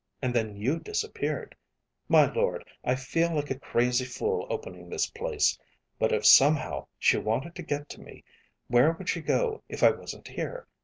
And then you disappeared. My lord, I feel like a crazy fool opening this place. But if somehow she wanted to get to me, where would she go if I wasn't here?